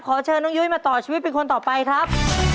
เชิญน้องยุ้ยมาต่อชีวิตเป็นคนต่อไปครับ